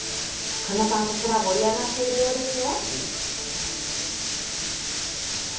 神田さん、そちら盛り上がっているようですね。